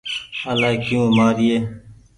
الآئي ڪيو مآر يي۔